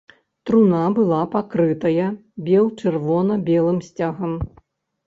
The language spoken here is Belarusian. Труна была пакрытая бел-чырвона-белым сцягам.